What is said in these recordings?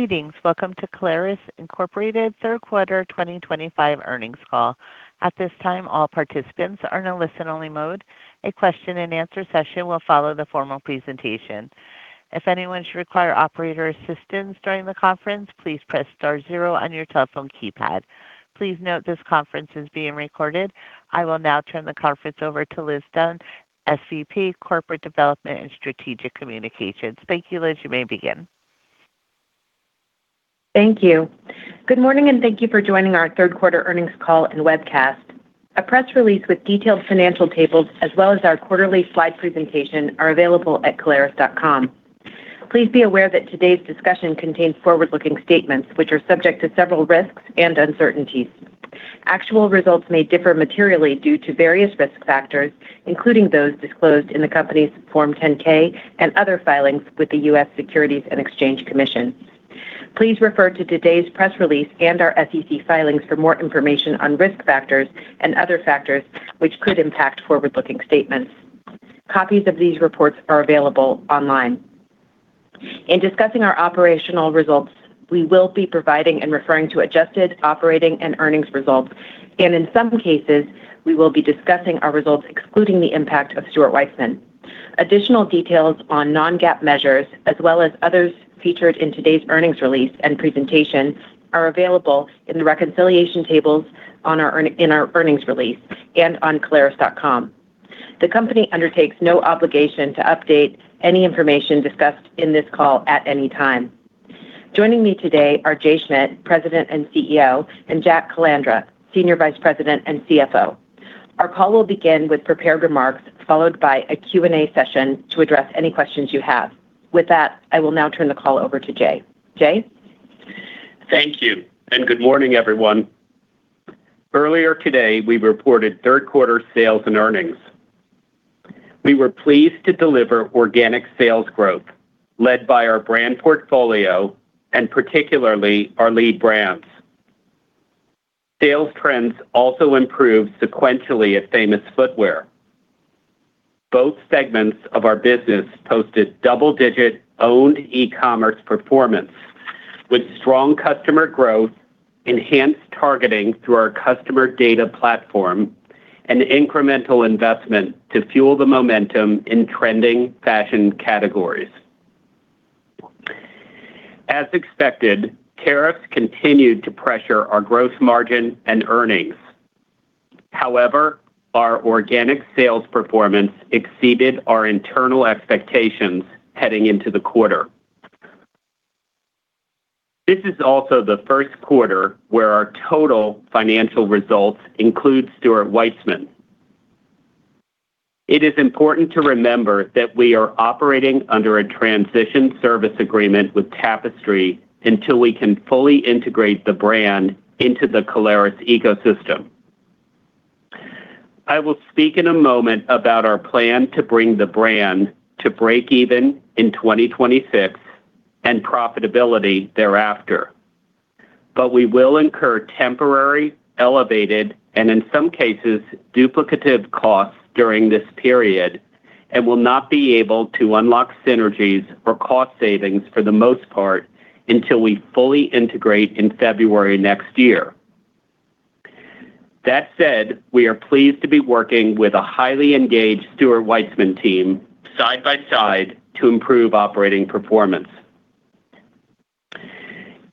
Greetings. Welcome to Caleres Incorporated's third quarter 2025 earnings call. At this time, all participants are in a listen-only mode. A question-and-answer session will follow the formal presentation. If anyone should require operator assistance during the conference, please press star zero on your telephone keypad. Please note this conference is being recorded. I will now turn the conference over to Liz Dunn, SVP, Corporate Development and Strategic Communications. Thank you, Liz. You may begin. Thank you. Good morning, and thank you for joining our third quarter earnings call and webcast. A press release with detailed financial tables, as well as our quarterly slide presentation, are available at Caleres.com. Please be aware that today's discussion contains forward-looking statements, which are subject to several risks and uncertainties. Actual results may differ materially due to various risk factors, including those disclosed in the company's Form 10-K and other filings with the U.S. Securities and Exchange Commission. Please refer to today's press release and our SEC filings for more information on risk factors and other factors which could impact forward-looking statements. Copies of these reports are available online. In discussing our operational results, we will be providing and referring to adjusted operating and earnings results, and in some cases, we will be discussing our results excluding the impact of Stuart Weitzman. Additional details on non-GAAP measures, as well as others featured in today's earnings release and presentation, are available in the reconciliation tables in our earnings release and on Caleres.com. The company undertakes no obligation to update any information discussed in this call at any time. Joining me today are Jay Schmidt, President and CEO, and Jack Calandra, Senior Vice President and CFO. Our call will begin with prepared remarks, followed by a Q&A session to address any questions you have. With that, I will now turn the call over to Jay. Jay? Thank you, and good morning, everyone. Earlier today, we reported third quarter sales and earnings. We were pleased to deliver organic sales growth, led by our brand portfolio and particularly our lead brands. Sales trends also improved sequentially at Famous Footwear. Both segments of our business posted double-digit owned e-commerce performance, with strong customer growth, enhanced targeting through our customer data platform, and incremental investment to fuel the momentum in trending fashion categories. As expected, tariffs continued to pressure our gross margin and earnings. However, our organic sales performance exceeded our internal expectations heading into the quarter. This is also the first quarter where our total financial results include Stuart Weitzman. It is important to remember that we are operating under a transition service agreement with Tapestry until we can fully integrate the brand into the Caleres ecosystem. I will speak in a moment about our plan to bring the brand to break-even in 2026 and profitability thereafter, but we will incur temporary, elevated, and in some cases, duplicative costs during this period and will not be able to unlock synergies or cost savings for the most part until we fully integrate in February next year. That said, we are pleased to be working with a highly engaged Stuart Weitzman team side by side to improve operating performance.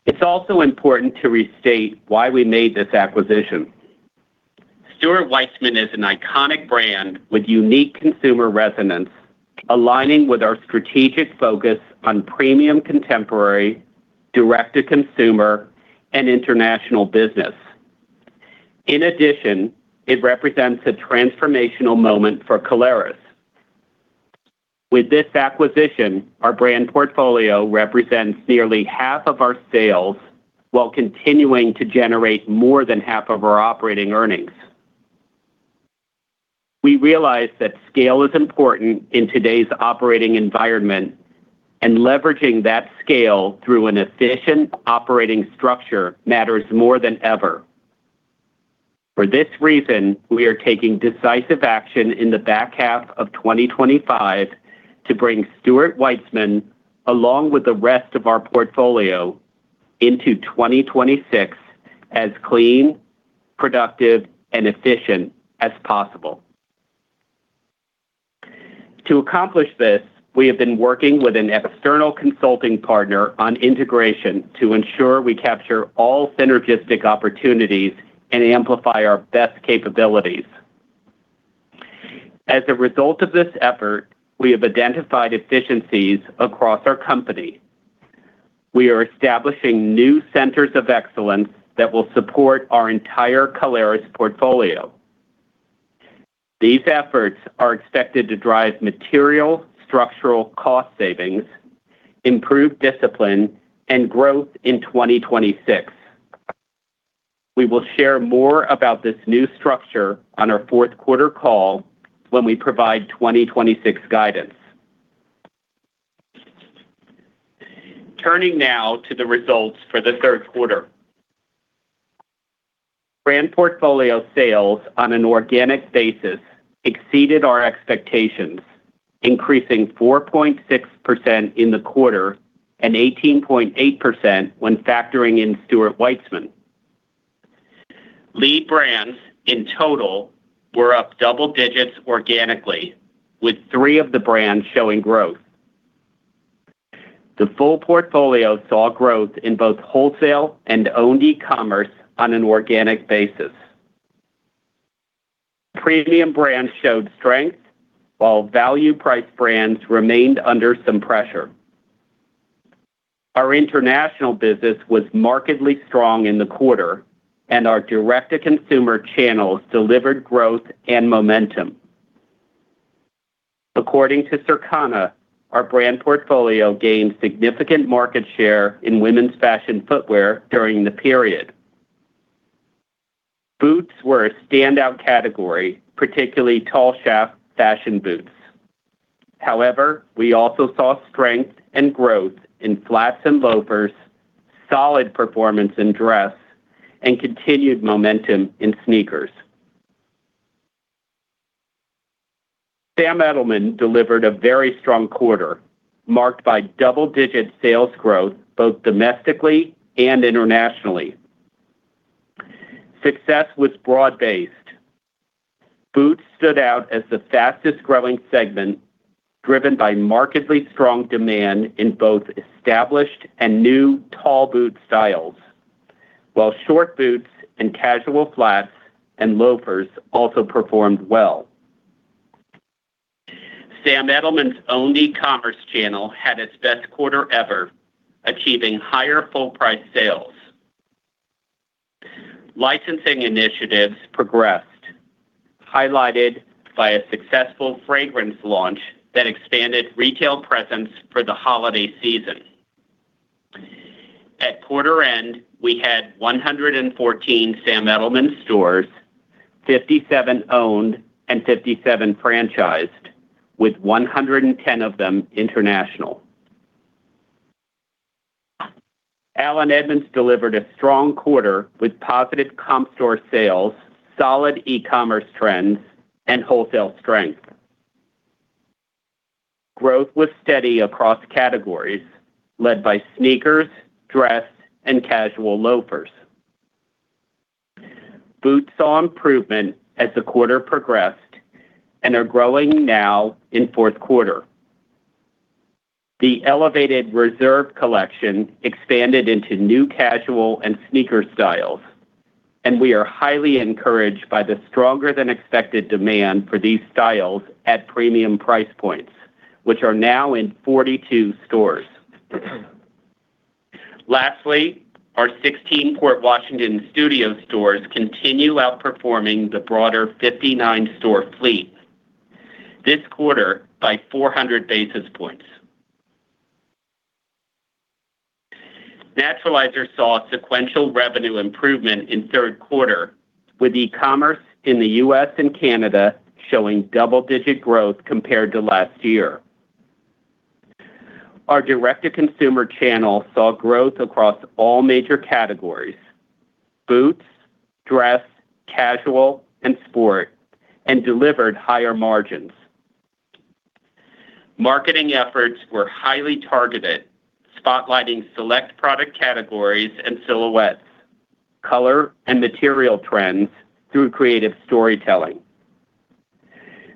It's also important to restate why we made this acquisition. Stuart Weitzman is an iconic brand with unique consumer resonance, aligning with our strategic focus on premium contemporary, direct-to-consumer, and international business. In addition, it represents a transformational moment for Caleres. With this acquisition, our brand portfolio represents nearly half of our sales while continuing to generate more than half of our operating earnings. We realize that scale is important in today's operating environment, and leveraging that scale through an efficient operating structure matters more than ever. For this reason, we are taking decisive action in the back half of 2025 to bring Stuart Weitzman, along with the rest of our portfolio, into 2026 as clean, productive, and efficient as possible. To accomplish this, we have been working with an external consulting partner on integration to ensure we capture all synergistic opportunities and amplify our best capabilities. As a result of this effort, we have identified efficiencies across our company. We are establishing new centers of excellence that will support our entire Caleres portfolio. These efforts are expected to drive material structural cost savings, improve discipline, and growth in 2026. We will share more about this new structure on our fourth quarter call when we provide 2026 guidance. Turning now to the results for the third quarter, brand portfolio sales on an organic basis exceeded our expectations, increasing 4.6% in the quarter and 18.8% when factoring in Stuart Weitzman. Lead brands in total were up double digits organically, with three of the brands showing growth. The full portfolio saw growth in both wholesale and owned e-commerce on an organic basis. Premium brands showed strength, while value-priced brands remained under some pressure. Our international business was markedly strong in the quarter, and our direct-to-consumer channels delivered growth and momentum. According to Circana, our brand portfolio gained significant market share in women's fashion footwear during the period. Boots were a standout category, particularly tall shaft fashion boots. However, we also saw strength and growth in flats and loafers, solid performance in dress, and continued momentum in sneakers. Sam Edelman delivered a very strong quarter, marked by double-digit sales growth both domestically and internationally. Success was broad-based. Boots stood out as the fastest-growing segment, driven by markedly strong demand in both established and new tall boot styles, while short boots and casual flats and loafers also performed well. Sam Edelman's owned e-commerce channel had its best quarter ever, achieving higher full-price sales. Licensing initiatives progressed, highlighted by a successful fragrance launch that expanded retail presence for the holiday season. At quarter end, we had 114 Sam Edelman stores, 57 owned, and 57 franchised, with 110 of them international. Allen Edmonds delivered a strong quarter with positive comp store sales, solid e-commerce trends, and wholesale strength. Growth was steady across categories, led by sneakers, dress, and casual loafers. Boots saw improvement as the quarter progressed and are growing now in fourth quarter. The elevated reserve collection expanded into new casual and sneaker styles, and we are highly encouraged by the stronger-than-expected demand for these styles at premium price points, which are now in 42 stores. Lastly, our 16 Port Washington studio stores continue outperforming the broader 59-store fleet this quarter by 400 basis points. Naturalizer saw sequential revenue improvement in third quarter, with e-commerce in the U.S. and Canada showing double-digit growth compared to last year. Our direct-to-consumer channel saw growth across all major categories: boots, dress, casual, and sport, and delivered higher margins. Marketing efforts were highly targeted, spotlighting select product categories and silhouettes, color and material trends through creative storytelling.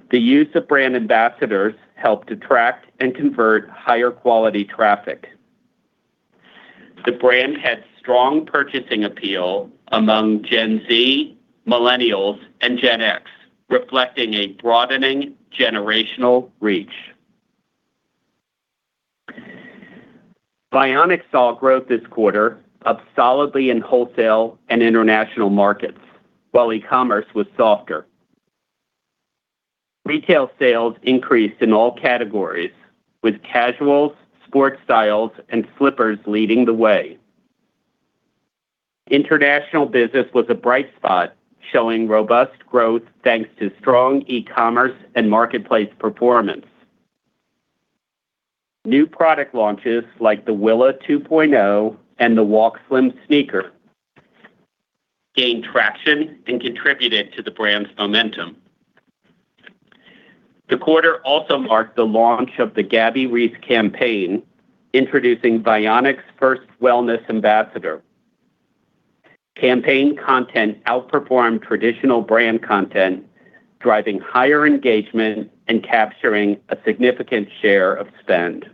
The use of brand ambassadors helped attract and convert higher-quality traffic. The brand had strong purchasing appeal among Gen Z, Millennials, and Gen X, reflecting a broadening generational reach. Vionic saw growth this quarter, up solidly in wholesale and international markets, while e-commerce was softer. Retail sales increased in all categories, with casuals, sports styles, and slippers leading the way. International business was a bright spot, showing robust growth thanks to strong e-commerce and marketplace performance. New product launches like the Willa 2.0 and the WalkSlim sneaker gained traction and contributed to the brand's momentum. The quarter also marked the launch of the Gabby Reese campaign, introducing Vionic's first wellness ambassador. Campaign content outperformed traditional brand content, driving higher engagement and capturing a significant share of spend.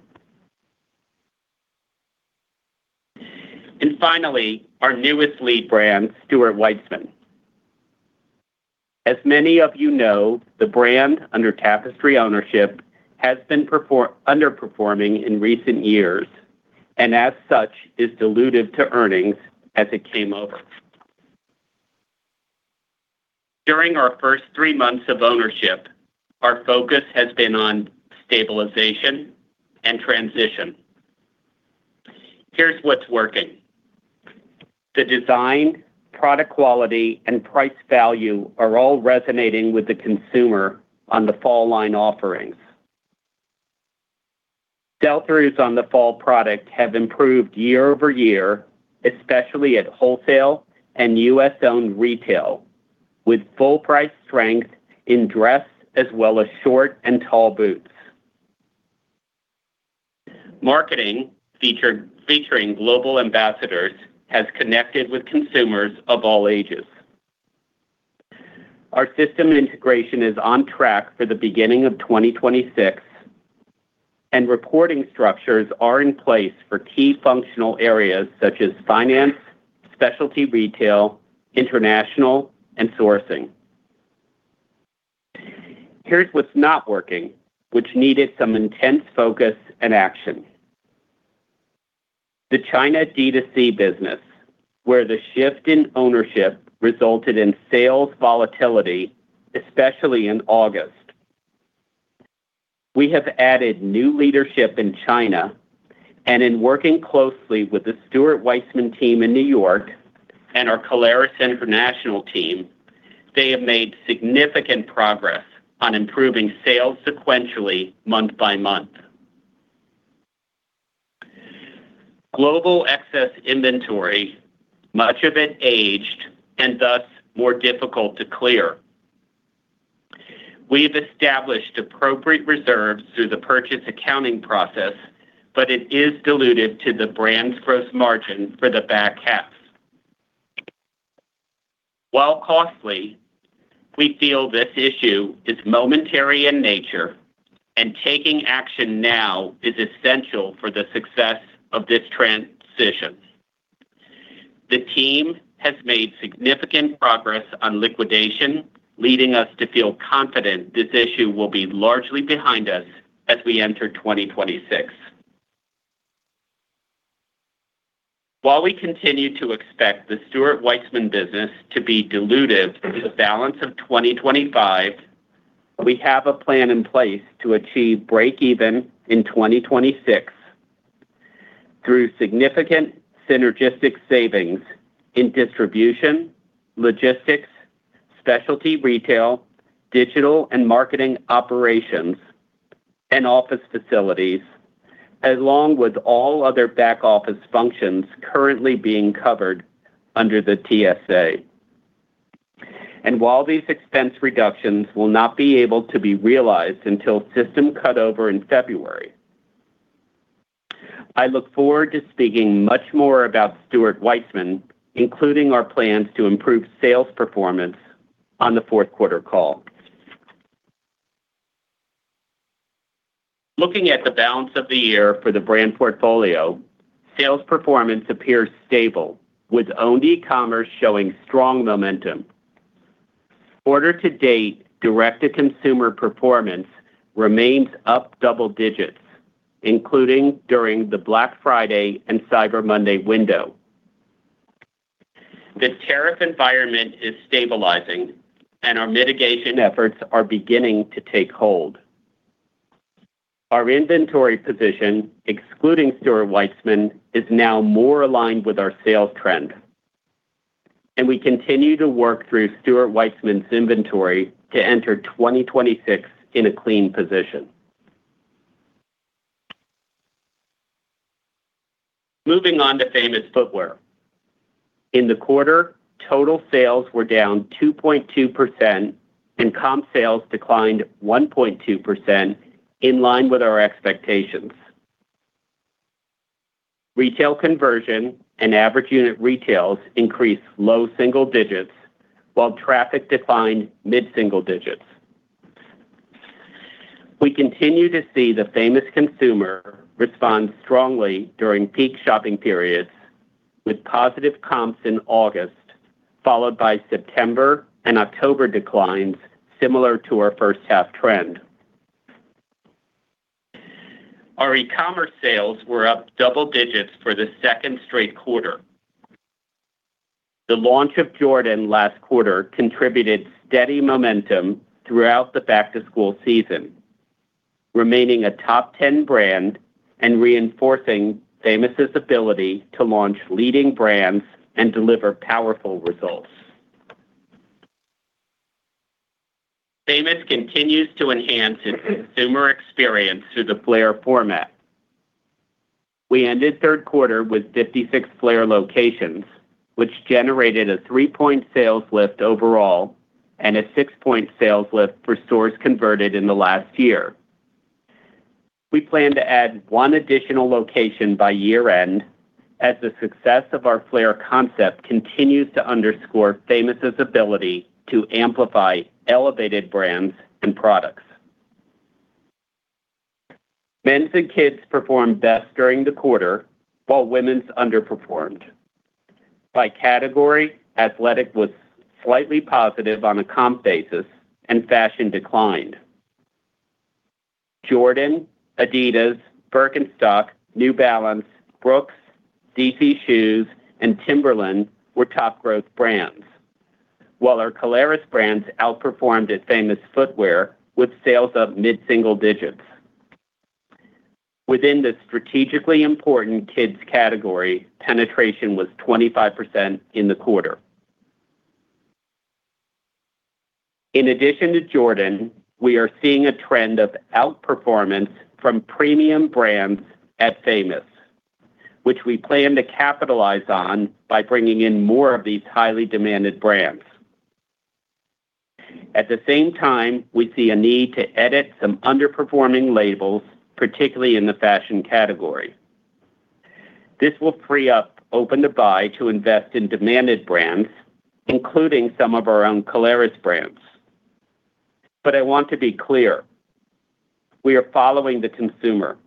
And finally, our newest lead brand, Stuart Weitzman. As many of you know, the brand under Tapestry ownership has been underperforming in recent years and, as such, is diluted to earnings as it came over. During our first three months of ownership, our focus has been on stabilization and transition. Here's what's working. The design, product quality, and price value are all resonating with the consumer on the fall line offerings. DTC's on-the-fall products have improved year over year, especially at wholesale and U.S.-owned retail, with full-price strength in dress as well as short and tall boots. Marketing featuring global ambassadors has connected with consumers of all ages. Our system integration is on track for the beginning of 2026, and reporting structures are in place for key functional areas such as finance, specialty retail, international, and sourcing. Here's what's not working, which needed some intense focus and action. The China D2C business, where the shift in ownership resulted in sales volatility, especially in August. We have added new leadership in China, and in working closely with the Stuart Weitzman team in New York and our Caleres International team, they have made significant progress on improving sales sequentially month by month. Global excess inventory, much of it aged and thus more difficult to clear. We've established appropriate reserves through the purchase accounting process, but it is diluted to the brand's gross margin for the back half. While costly, we feel this issue is momentary in nature, and taking action now is essential for the success of this transition. The team has made significant progress on liquidation, leading us to feel confident this issue will be largely behind us as we enter 2026. While we continue to expect the Stuart Weitzman business to be diluted in the balance of 2025, we have a plan in place to achieve break-even in 2026 through significant synergistic savings in distribution, logistics, specialty retail, digital and marketing operations, and office facilities, along with all other back-office functions currently being covered under the TSA. And while these expense reductions will not be able to be realized until system cutover in February, I look forward to speaking much more about Stuart Weitzman, including our plans to improve sales performance on the fourth quarter call. Looking at the balance of the year for the brand portfolio, sales performance appears stable, with owned e-commerce showing strong momentum. Year-to-date direct-to-consumer performance remains up double digits, including during the Black Friday and Cyber Monday window. The tariff environment is stabilizing, and our mitigation efforts are beginning to take hold. Our inventory position, excluding Stuart Weitzman, is now more aligned with our sales trend, and we continue to work through Stuart Weitzman's inventory to enter 2026 in a clean position. Moving on to Famous Footwear. In the quarter, total sales were down 2.2%, and comp sales declined 1.2% in line with our expectations. Retail conversion and average unit retail increased low single digits, while traffic declined mid-single digits. We continue to see the Famous consumer respond strongly during peak shopping periods, with positive comps in August, followed by September and October declines similar to our first-half trend. Our e-commerce sales were up double digits for the second straight quarter. The launch of Jordan last quarter contributed steady momentum throughout the back-to-school season, remaining a top-10 brand and reinforcing Famous' ability to launch leading brands and deliver powerful results. Famous continues to enhance its consumer experience through the Flair format. We ended third quarter with 56 Flair locations, which generated a 3-point sales lift overall and a 6-point sales lift for stores converted in the last year. We plan to add one additional location by year-end as the success of our Flair concept continues to underscore Famous' ability to amplify elevated brands and products. Men's and kids performed best during the quarter, while women's underperformed. By category, athletic was slightly positive on a comp basis, and fashion declined. Jordan, Adidas, Birkenstock, New Balance, Brooks, DC Shoes, and Timberland were top growth brands, while our Caleres brands outperformed at Famous Footwear with sales up mid-single digits. Within the strategically important kids category, penetration was 25% in the quarter. In addition to Jordan, we are seeing a trend of outperformance from premium brands at Famous, which we plan to capitalize on by bringing in more of these highly demanded brands. At the same time, we see a need to edit some underperforming labels, particularly in the fashion category. This will free up open-to-buy to invest in demanded brands, including some of our own Caleres brands. But I want to be clear. We are following the consumer.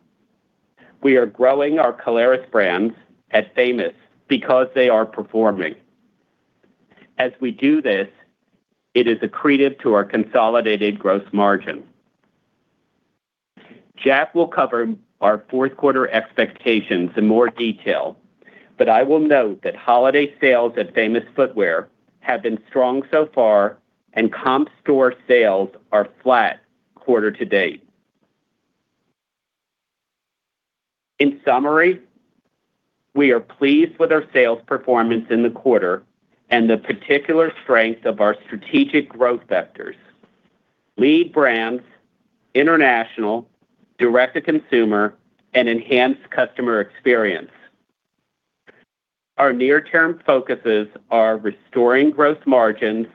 We are growing our Caleres brands at Famous Footwear because they are performing. As we do this, it is a credit to our consolidated gross margin. Jack will cover our fourth quarter expectations in more detail, but I will note that holiday sales at Famous Footwear have been strong so far, and comp store sales are flat quarter to date. In summary, we are pleased with our sales performance in the quarter and the particular strength of our strategic growth vectors: lead brands, international, direct-to-consumer, and enhanced customer experience. Our near-term focuses are restoring gross margins,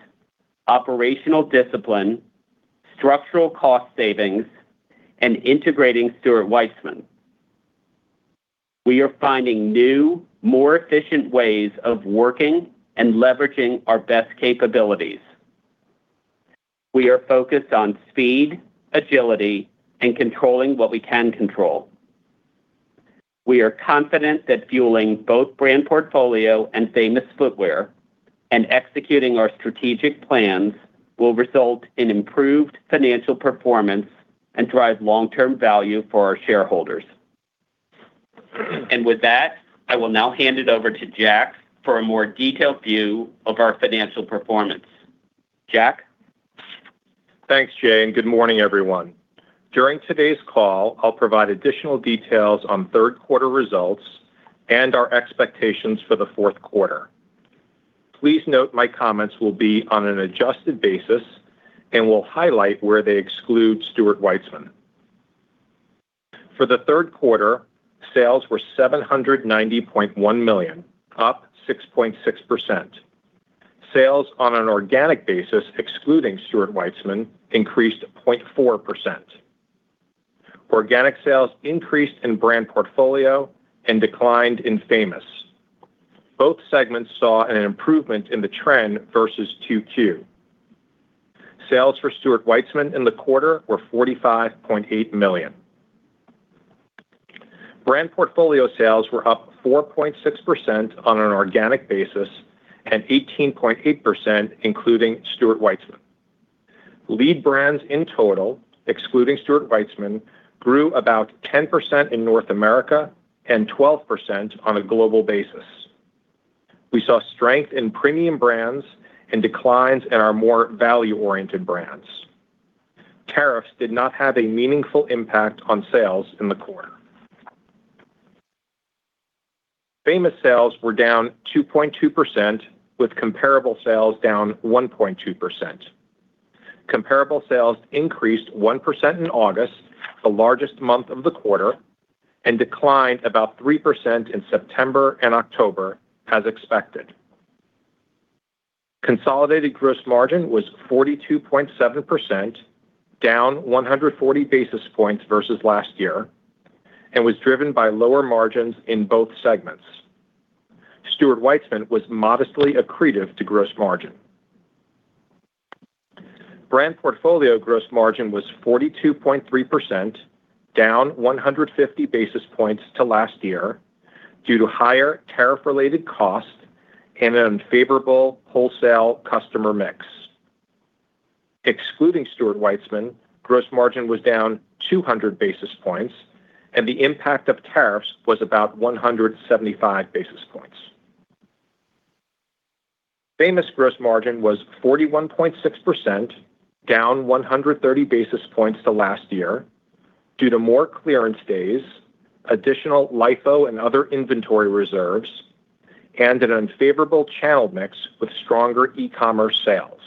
operational discipline, structural cost savings, and integrating Stuart Weitzman. We are finding new, more efficient ways of working and leveraging our best capabilities. We are focused on speed, agility, and controlling what we can control. We are confident that fueling both Brand Portfolio and Famous Footwear and executing our strategic plans will result in improved financial performance and drive long-term value for our shareholders, and with that, I will now hand it over to Jack for a more detailed view of our financial performance. Jack? Thanks, Jay. Good morning, everyone. During today's call, I'll provide additional details on third-quarter results and our expectations for the fourth quarter. Please note my comments will be on an adjusted basis and will highlight where they exclude Stuart Weitzman. For the third quarter, sales were $790.1 million, up 6.6%. Sales on an organic basis, excluding Stuart Weitzman, increased 0.4%. Organic sales increased in Brand Portfolio and declined in Famous Footwear. Both segments saw an improvement in the trend versus QQ. Sales for Stuart Weitzman in the quarter were $45.8 million. Brand portfolio sales were up 4.6% on an organic basis and 18.8%, including Stuart Weitzman. Lead brands in total, excluding Stuart Weitzman, grew about 10% in North America and 12% on a global basis. We saw strength in premium brands and declines in our more value-oriented brands. Tariffs did not have a meaningful impact on sales in the quarter. Famous sales were down 2.2%, with comparable sales down 1.2%. Comparable sales increased 1% in August, the largest month of the quarter, and declined about 3% in September and October, as expected. Consolidated gross margin was 42.7%, down 140 basis points versus last year, and was driven by lower margins in both segments. Stuart Weitzman was modestly accretive to gross margin. Brand portfolio gross margin was 42.3%, down 150 basis points to last year due to higher tariff-related costs and an unfavorable wholesale customer mix. Excluding Stuart Weitzman, gross margin was down 200 basis points, and the impact of tariffs was about 175 basis points. Famous gross margin was 41.6%, down 130 basis points to last year due to more clearance days, additional LIFO and other inventory reserves, and an unfavorable channel mix with stronger e-commerce sales.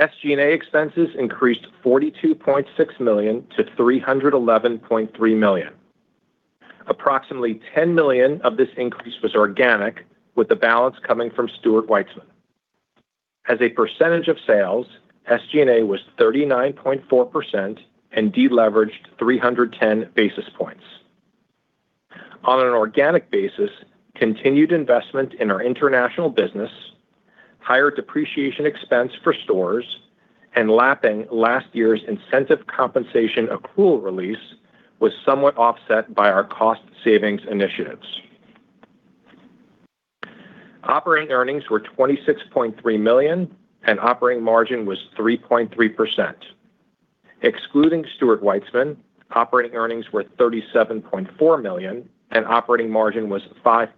SG&A expenses increased $42.6 million to $311.3 million. Approximately $10 million of this increase was organic, with the balance coming from Stuart Weitzman. As a percentage of sales, SG&A was 39.4% and deleveraged 310 basis points. On an organic basis, continued investment in our international business, higher depreciation expense for stores, and lapping last year's incentive compensation accrual release was somewhat offset by our cost savings initiatives. Operating earnings were $26.3 million, and operating margin was 3.3%. Excluding Stuart Weitzman, operating earnings were $37.4 million, and operating margin was 5%.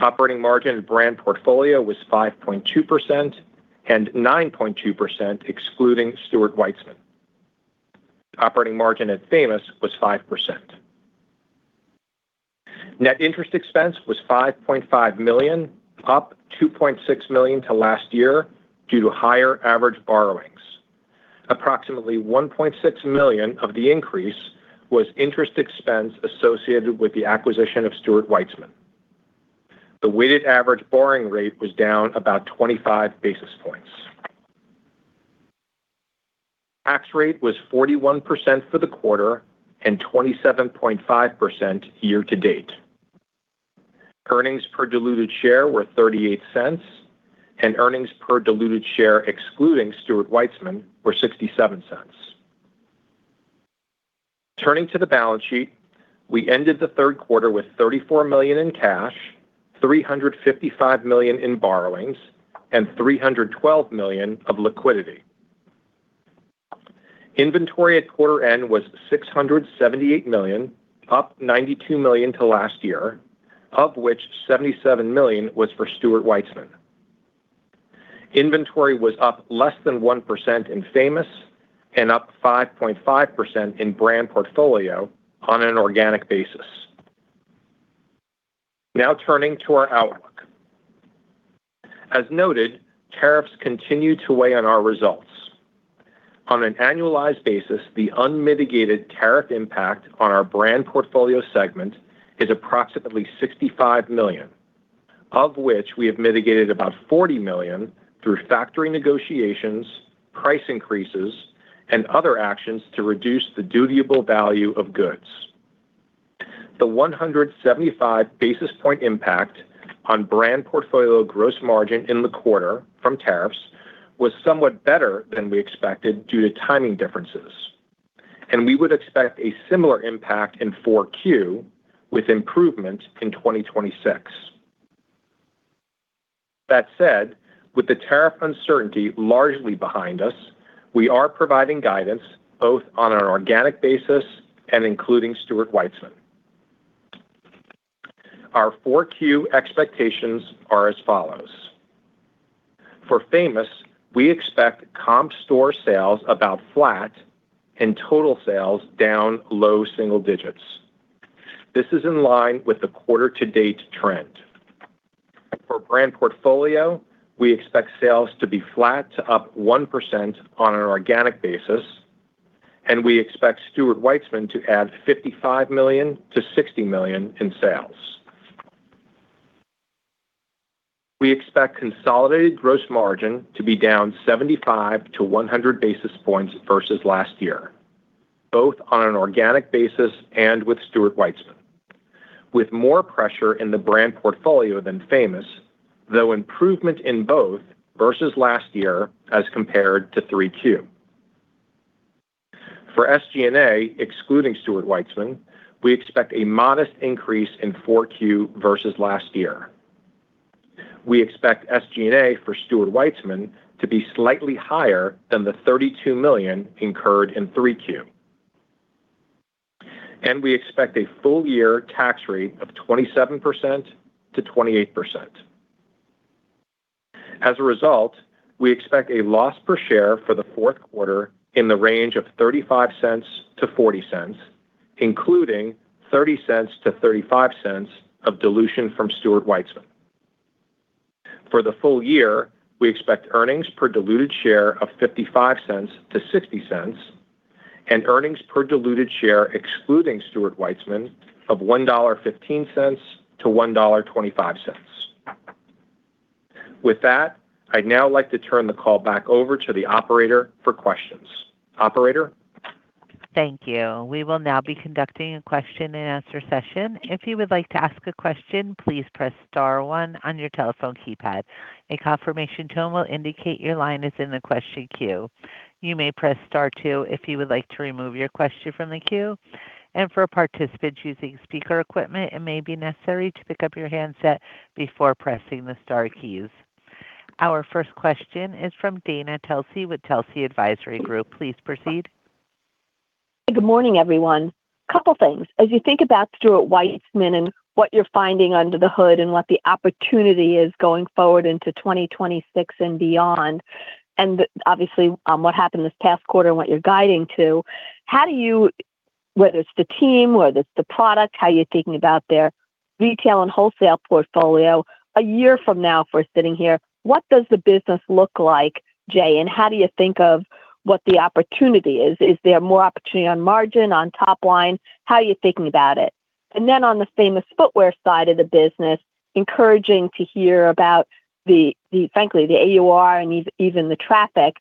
Operating margin in brand portfolio was 5.2% and 9.2%, excluding Stuart Weitzman. Operating margin at Famous Footwear was 5%. Net interest expense was $5.5 million, up $2.6 million to last year due to higher average borrowings. Approximately $1.6 million of the increase was interest expense associated with the acquisition of Stuart Weitzman. The weighted average borrowing rate was down about 25 basis points. Tax rate was 41% for the quarter and 27.5% year-to-date. Earnings per diluted share were $0.38, and earnings per diluted share excluding Stuart Weitzman were $0.67. Turning to the balance sheet, we ended the third quarter with $34 million in cash, $355 million in borrowings, and $312 million of liquidity. Inventory at quarter end was $678 million, up $92 million to last year, of which $77 million was for Stuart Weitzman. Inventory was up less than 1% in Famous and up 5.5% in brand portfolio on an organic basis. Now turning to our outlook. As noted, tariffs continue to weigh on our results. On an annualized basis, the unmitigated tariff impact on our brand portfolio segment is approximately $65 million, of which we have mitigated about $40 million through factory negotiations, price increases, and other actions to reduce the dutiable value of goods. The 175 basis points impact on brand portfolio gross margin in the quarter from tariffs was somewhat better than we expected due to timing differences, and we would expect a similar impact in 4Q with improvement in 2026. That said, with the tariff uncertainty largely behind us, we are providing guidance both on an organic basis and including Stuart Weitzman. Our 4Q expectations are as follows. For Famous, we expect comp store sales about flat and total sales down low single digits. This is in line with the quarter-to-date trend. For brand portfolio, we expect sales to be flat to up 1% on an organic basis, and we expect Stuart Weitzman to add $55 million-$60 million in sales. We expect consolidated gross margin to be down 75 to 100 basis points versus last year, both on an organic basis and with Stuart Weitzman, with more pressure in the brand portfolio than Famous, though improvement in both versus last year as compared to 3Q. For SG&A, excluding Stuart Weitzman, we expect a modest increase in 4Q versus last year. We expect SG&A for Stuart Weitzman to be slightly higher than the $32 million incurred in 3Q, and we expect a full-year tax rate of 27% to 28%. As a result, we expect a loss per share for the fourth quarter in the range of $0.35-$0.40, including $0.30-$0.35 of dilution from Stuart Weitzman. For the full year, we expect earnings per diluted share of $0.55-$0.60 and earnings per diluted share excluding Stuart Weitzman of $1.15-$1.25. With that, I'd now like to turn the call back over to the operator for questions. Operator? Thank you. We will now be conducting a question-and-answer session. If you would like to ask a question, please press star one on your telephone keypad. A confirmation tone will indicate your line is in the question queue. You may press star two if you would like to remove your question from the queue. For participants using speaker equipment, it may be necessary to pick up your handset before pressing the star keys. Our first question is from Dana Telsey with Telsey Advisory Group. Please proceed. Good morning, everyone. A couple of things. As you think about Stuart Weitzman and what you're finding under the hood and what the opportunity is going forward into 2026 and beyond, and obviously what happened this past quarter and what you're guiding to, how do you, whether it's the team, whether it's the product, how you're thinking about their retail and wholesale portfolio a year from now if we're sitting here, what does the business look like, Jay? And how do you think of what the opportunity is? Is there more opportunity on margin, on top line? How are you thinking about it? And then on the Famous Footwear side of the business, [it's] encouraging to hear about, frankly, the AUR and even the traffic.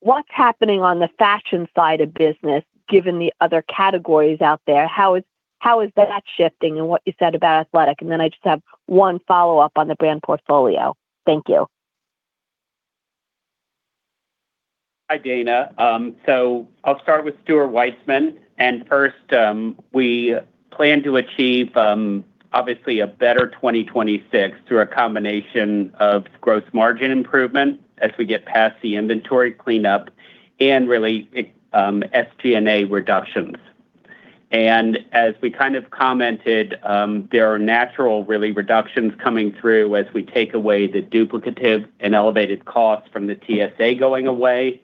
What's happening on the fashion side of business given the other categories out there? How is that shifting and what you said about athletic? And then I just have one follow-up on the brand portfolio. Thank you. Hi, Dana. So I'll start with Stuart Weitzman. And first, we plan to achieve, obviously, a better 2026 through a combination of gross margin improvement as we get past the inventory cleanup and really SG&A reductions. And as we kind of commented, there are natural reductions coming through as we take away the duplicative and elevated costs from the TSA going away,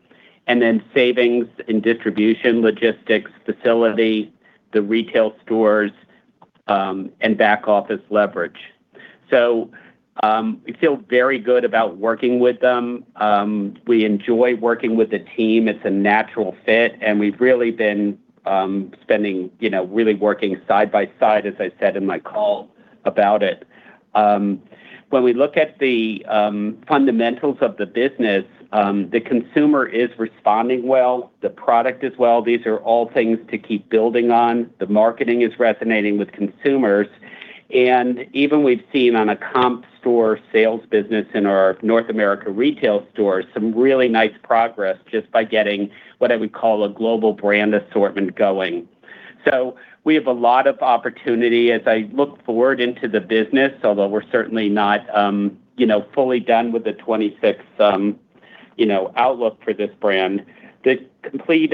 and then savings in distribution, logistics, facility, the retail stores, and back office leverage. So we feel very good about working with them. We enjoy working with the team. It's a natural fit, and we've really been spending, working side by side, as I said in my call about it. When we look at the fundamentals of the business, the consumer is responding well. The product is well. These are all things to keep building on. The marketing is resonating with consumers. And even we've seen on a comp store sales business in our North America retail store some really nice progress just by getting what I would call a global brand assortment going. So we have a lot of opportunity as I look forward into the business, although we're certainly not fully done with the 2026 outlook for this brand. The complete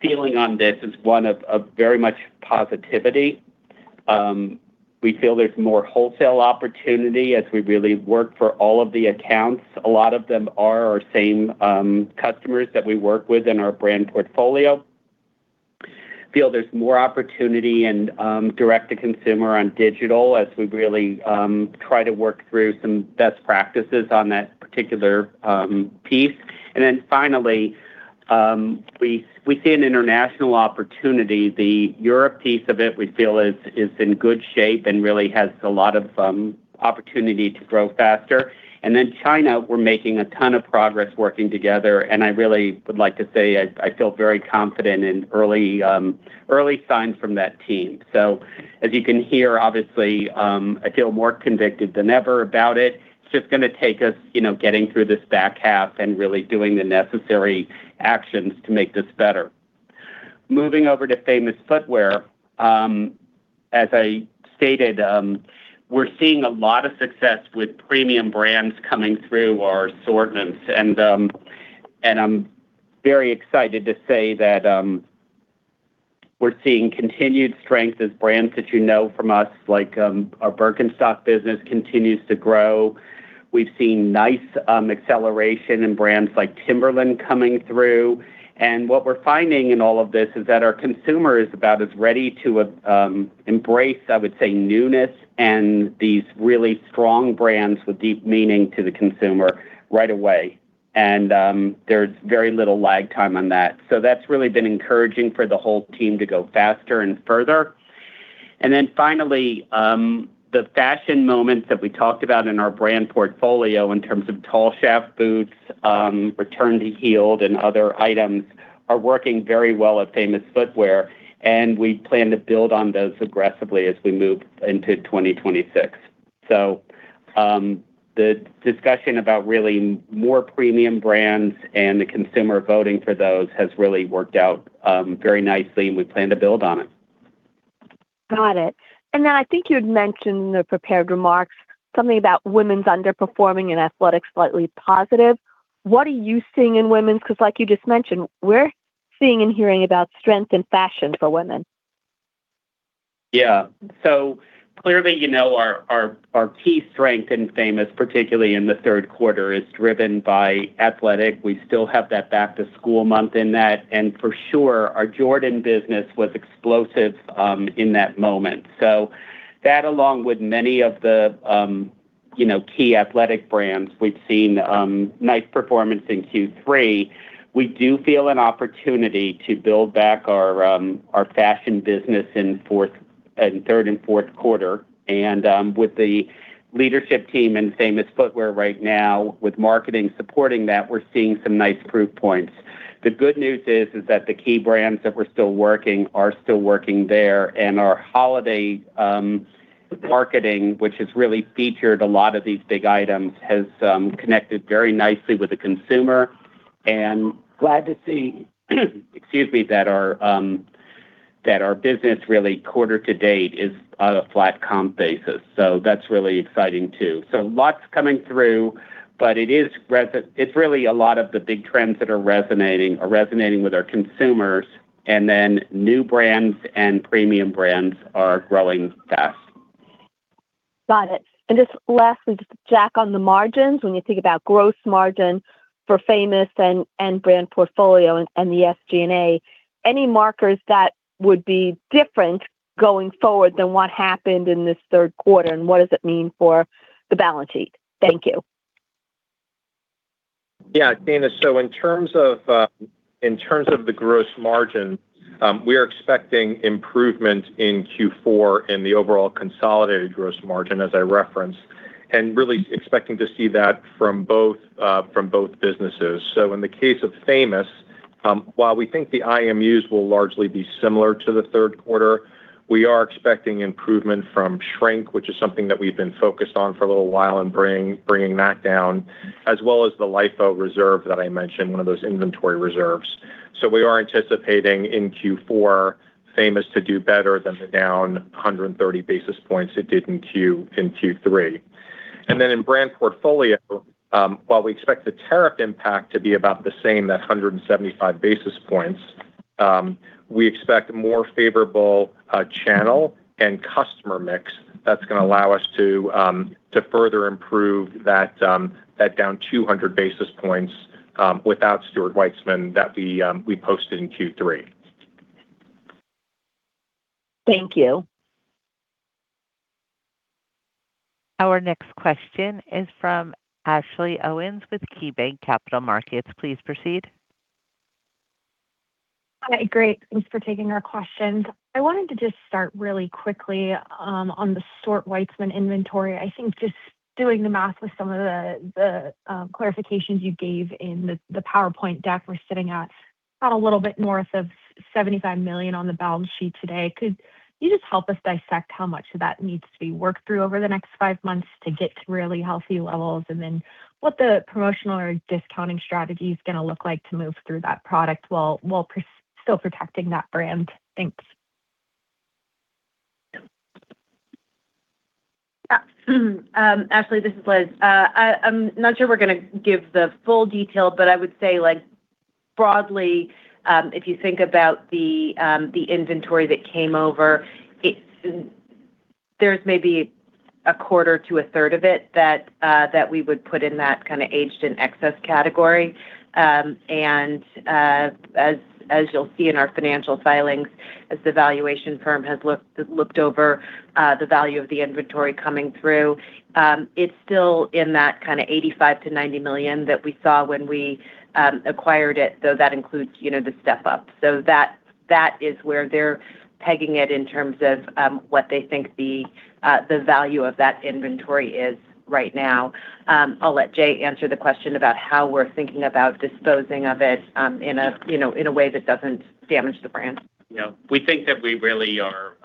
feeling on this is one of very much positivity. We feel there's more wholesale opportunity as we really work for all of the accounts. A lot of them are our same customers that we work with in our brand portfolio. I feel there's more opportunity and direct-to-consumer on digital as we really try to work through some best practices on that particular piece, and then finally, we see an international opportunity. The Europe piece of it we feel is in good shape and really has a lot of opportunity to grow faster, and then China, we're making a ton of progress working together, and I really would like to say I feel very confident in early signs from that team, so as you can hear, obviously, I feel more convicted than ever about it. It's just going to take us getting through this back half and really doing the necessary actions to make this better. Moving over to Famous Footwear, as I stated, we're seeing a lot of success with premium brands coming through our assortments. And I'm very excited to say that we're seeing continued strength as brands that you know from us, like our Birkenstock business continues to grow. We've seen nice acceleration in brands like Timberland coming through. And what we're finding in all of this is that our consumer is about as ready to embrace, I would say, newness and these really strong brands with deep meaning to the consumer right away. And there's very little lag time on that. So that's really been encouraging for the whole team to go faster and further. And then finally, the fashion moments that we talked about in our brand portfolio in terms of tall shaft boots, return-to-heeled, and other items are working very well at Famous Footwear. We plan to build on those aggressively as we move into 2026. The discussion about really more premium brands and the consumer voting for those has really worked out very nicely, and we plan to build on it. Got it. Then I think you'd mentioned in the prepared remarks something about women's underperforming in athletics slightly positive. What are you seeing in women's? Because like you just mentioned, we're seeing and hearing about strength and fashion for women. Yeah. Clearly, our key strength in Famous, particularly in the third quarter, is driven by athletic. We still have that back-to-school month in that. For sure, our Jordan business was explosive in that moment. That, along with many of the key athletic brands, we've seen nice performance in Q3. We do feel an opportunity to build back our fashion business in third and fourth quarter. With the leadership team in Famous Footwear right now, with marketing supporting that, we're seeing some nice proof points. The good news is that the key brands that we're still working are still working there. Our holiday marketing, which has really featured a lot of these big items, has connected very nicely with the consumer. Glad to see, excuse me, that our business really quarter-to-date is on a flat comp basis. That's really exciting too. Lots coming through, but it's really a lot of the big trends that are resonating with our consumers. New brands and premium brands are growing fast. Got it. Just lastly, just a quick on the margins, when you think about gross margin for Famous Footwear and Brand Portfolio and the SG&A, any markers that would be different going forward than what happened in this third quarter? And what does it mean for the balance sheet? Thank you. Yeah, Dana. So in terms of the gross margin, we are expecting improvement in Q4 and the overall consolidated gross margin, as I referenced, and really expecting to see that from both businesses. So in the case of Famous, while we think the IMUs will largely be similar to the third quarter, we are expecting improvement from shrink, which is something that we've been focused on for a little while and bringing that down, as well as the LIFO reserve that I mentioned, one of those inventory reserves. So we are anticipating in Q4 Famous to do better than the down 130 basis points it did in Q3. And then in brand portfolio, while we expect the tariff impact to be about the same, that 175 basis points, we expect a more favorable channel and customer mix that's going to allow us to further improve that down 200 basis points without Stuart Weitzman that we posted in Q3. Thank you. Our next question is from Ashley Owens with KeyBank Capital Markets. Please proceed. Hi, great. Thanks for taking our questions. I wanted to just start really quickly on the Stuart Weitzman inventory. I think just doing the math with some of the clarifications you gave in the PowerPoint deck we're sitting at, about a little bit north of $75 million on the balance sheet today. Could you just help us dissect how much of that needs to be worked through over the next five months to get to really healthy levels? Then what the promotional or discounting strategy is going to look like to move through that product while still protecting that brand? Thanks. Ashley, this is Liz. I'm not sure we're going to give the full detail, but I would say broadly, if you think about the inventory that came over, there's maybe a quarter to a third of it that we would put in that kind of aged and excess category. And as you'll see in our financial filings, as the valuation firm has looked over the value of the inventory coming through, it's still in that kind of $85-$90 million that we saw when we acquired it, though that includes the step-up. So that is where they're pegging it in terms of what they think the value of that inventory is right now. I'll let Jay answer the question about how we're thinking about disposing of it in a way that doesn't damage the brand. Yeah. We think that we really are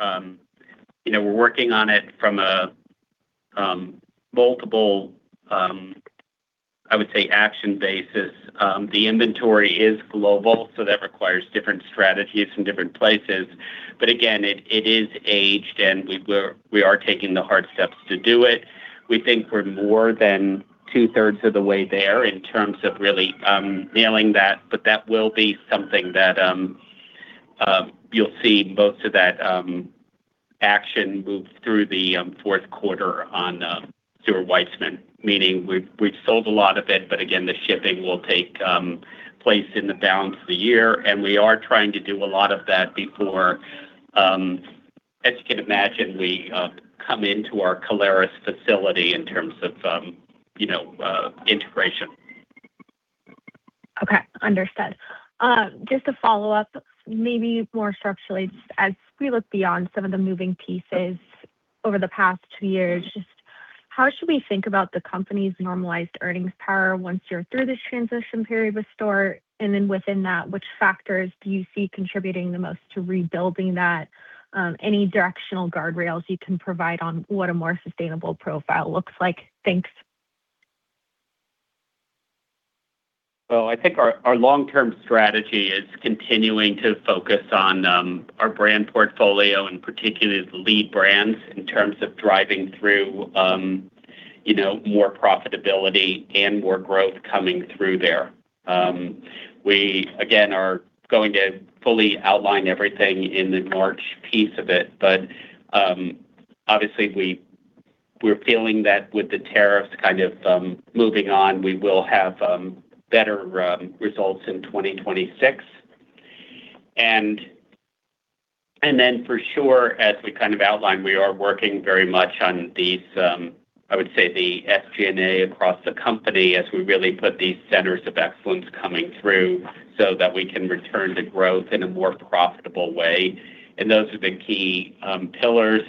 working on it from a multiple, I would say, action basis. The inventory is global, so that requires different strategies from different places. But again, it is aged, and we are taking the hard steps to do it. We think we're more than two-thirds of the way there in terms of really nailing that, but that will be something that you'll see most of that action move through the fourth quarter on Stuart Weitzman, meaning we've sold a lot of it, but again, the shipping will take place in the balance of the year. And we are trying to do a lot of that before, as you can imagine, we come into our Caleres facility in terms of integration. Okay. Understood. Just to follow up, maybe more structurally, as we look beyond some of the moving pieces over the past two years, just how should we think about the company's normalized earnings power once you're through this transition period with Stuart? And then within that, which factors do you see contributing the most to rebuilding that? Any directional guardrails you can provide on what a more sustainable profile looks like? Thanks. Well, I think our long-term strategy is continuing to focus on our brand portfolio, and particularly the lead brands, in terms of driving through more profitability and more growth coming through there. We, again, are going to fully outline everything in the March piece of it. But obviously, we're feeling that with the tariffs kind of moving on, we will have better results in 2026. And then for sure, as we kind of outlined, we are working very much on these, I would say, the SG&A across the company as we really put these centers of excellence coming through so that we can return to growth in a more profitable way. And those are the key pillars.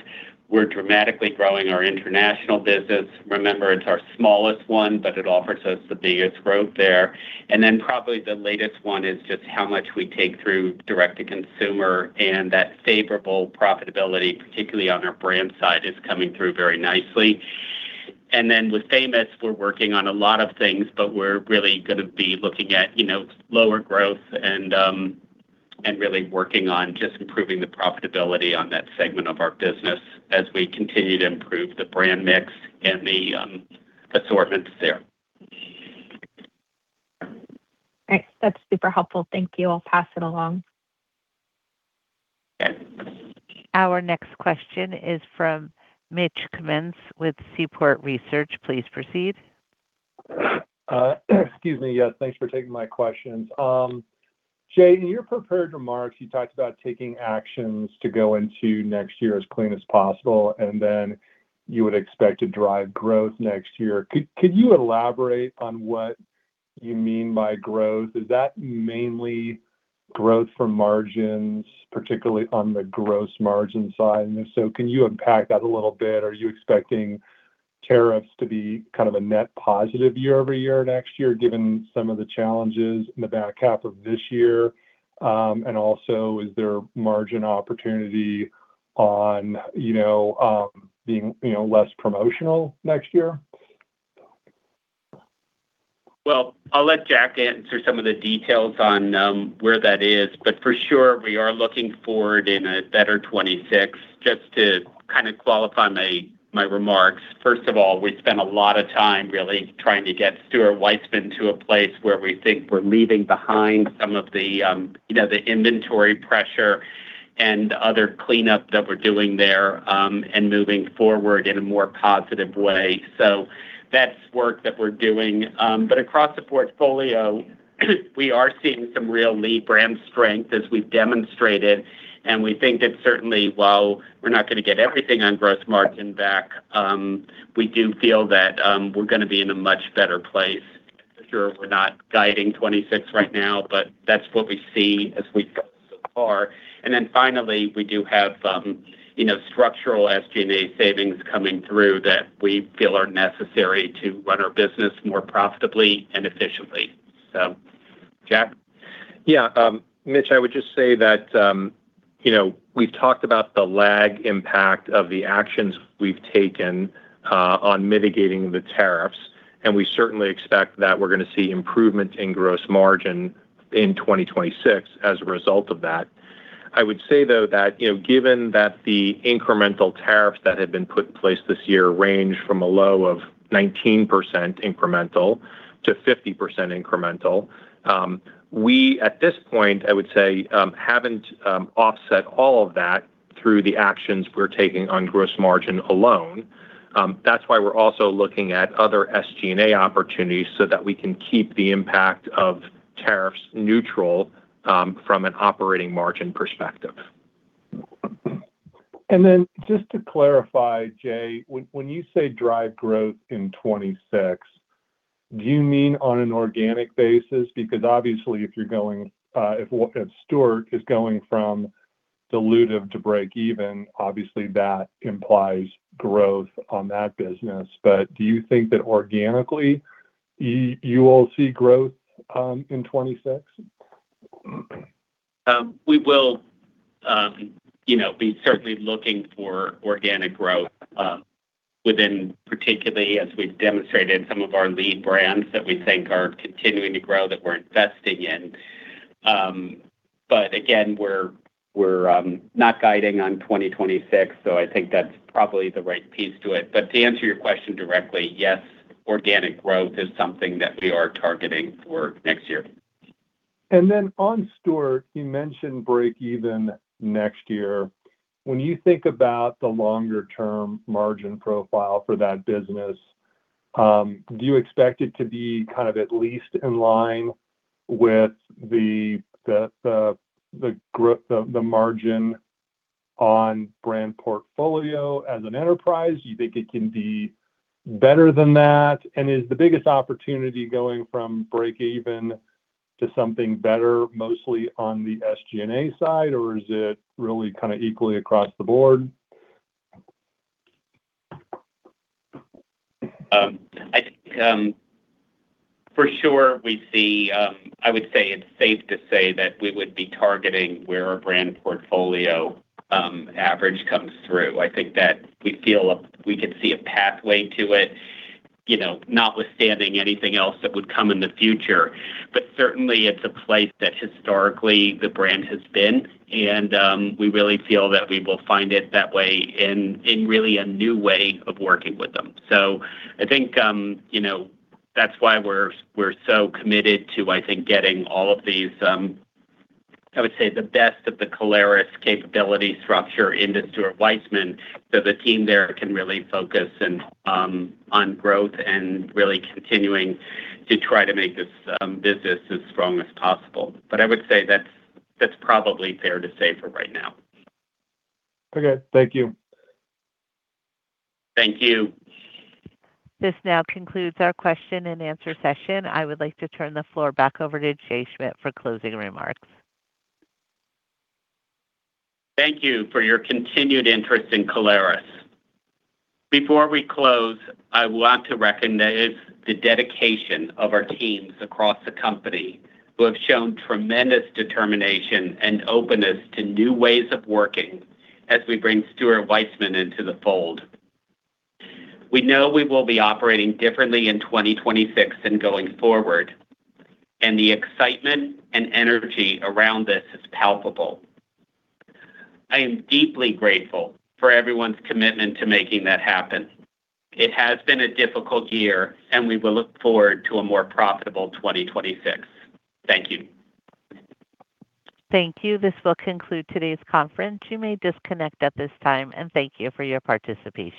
We're dramatically growing our international business. Remember, it's our smallest one, but it offers us the biggest growth there. And then probably the latest one is just how much we take through direct-to-consumer. And that favorable profitability, particularly on our brand side, is coming through very nicely. And then with Famous, we're working on a lot of things, but we're really going to be looking at lower growth and really working on just improving the profitability on that segment of our business as we continue to improve the brand mix and the assortments there. Thanks. That's super helpful. Thank you. I'll pass it along. Okay. Our next question is from Mitch Kummetz with Seaport Research Partners. Please proceed. Excuse me. Yes. Thanks for taking my questions. Jay, in your prepared remarks, you talked about taking actions to go into next year as clean as possible, and then you would expect to drive growth next year. Could you elaborate on what you mean by growth? Is that mainly growth from margins, particularly on the gross margin side? And if so, can you unpack that a little bit? Are you expecting tariffs to be kind of a net positive year over year next year, given some of the challenges in the back half of this year? And also, is there margin opportunity on being less promotional next year? Well, I'll let Jack answer some of the details on where that is. But for sure, we are looking forward to a better 2026. Just to kind of qualify my remarks, first of all, we spent a lot of time really trying to get Stuart Weitzman to a place where we think we're leaving behind some of the inventory pressure and other cleanup that we're doing there and moving forward in a more positive way. So that's work that we're doing. But across the portfolio, we are seeing some real lead brand strength as we've demonstrated. And we think that certainly, while we're not going to get everything on gross margin back, we do feel that we're going to be in a much better place. For sure, we're not guiding 2026 right now, but that's what we see as we go so far. And then finally, we do have structural SG&A savings coming through that we feel are necessary to run our business more profitably and efficiently. So, Jack? Yeah. Mitch, I would just say that we've talked about the lag impact of the actions we've taken on mitigating the tariffs. And we certainly expect that we're going to see improvement in gross margin in 2026 as a result of that. I would say, though, that given that the incremental tariffs that had been put in place this year range from a low of 19% incremental to 50% incremental, we, at this point, I would say, haven't offset all of that through the actions we're taking on gross margin alone. That's why we're also looking at other SG&A opportunities so that we can keep the impact of tariffs neutral from an operating margin perspective. And then, just to clarify, Jay, when you say drive growth in 2026, do you mean on an organic basis? Because obviously, if you're going, if Stuart is going from dilutive to break even, obviously, that implies growth on that business. But do you think that organically you will see growth in 2026? We will be certainly looking for organic growth within, particularly as we've demonstrated some of our lead brands that we think are continuing to grow that we're investing in. But again, we're not guiding on 2026, so I think that's probably the right piece to it. But to answer your question directly, yes, organic growth is something that we are targeting for next year. And then on Stuart, you mentioned break even next year. When you think about the longer-term margin profile for that business, do you expect it to be kind of at least in line with the margin on brand portfolio as an enterprise? Do you think it can be better than that? And is the biggest opportunity going from break even to something better mostly on the SG&A side, or is it really kind of equally across the board? For sure, we see. I would say it's safe to say that we would be targeting where our brand portfolio average comes through. I think that we feel we could see a pathway to it, notwithstanding anything else that would come in the future. But certainly, it's a place that historically the brand has been. And we really feel that we will find it that way in really a new way of working with them. So I think that's why we're so committed to getting all of these, I would say, the best of the Caleres capability structure into Stuart Weitzman so the team there can really focus on growth and really continuing to try to make this business as strong as possible. But I would say that's probably fair to say for right now. Okay. Thank you. Thank you. This now concludes our question and answer session. I would like to turn the floor back over to Jay Schmidt for closing remarks. Thank you for your continued interest in Caleres. Before we close, I want to recognize the dedication of our teams across the company who have shown tremendous determination and openness to new ways of working as we bring Stuart Weitzman into the fold. We know we will be operating differently in 2026 and going forward, and the excitement and energy around this is palpable. I am deeply grateful for everyone's commitment to making that happen. It has been a difficult year, and we will look forward to a more profitable 2026. Thank you. Thank you. This will conclude today's conference. You may disconnect at this time, and thank you for your participation.